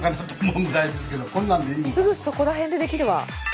すぐそこら辺でできるわ。